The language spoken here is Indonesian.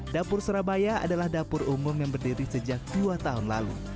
dapur surabaya adalah dapur umum yang berdiri sejak dua tahun lalu